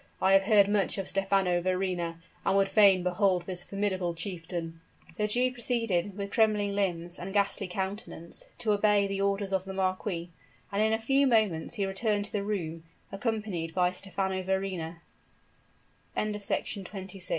I have heard much of Stephano Verrina, and would fain behold this formidable chieftain." The Jew proceeded, with trembling limbs and ghastly countenance, to obey the orders of the marquis; and in a few moments he returned to the room, accompanied by Stephano Verrina. CHAPTER XXVI.